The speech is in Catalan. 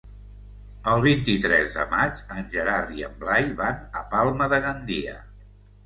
El vint-i-tres de maig en Gerard i en Blai van a Palma de Gandia.